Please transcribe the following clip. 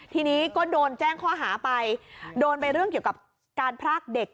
ทีนี้ก็โดนแจ้งข้อหาไปโดนไปเรื่องเกี่ยวกับการพรากเด็ก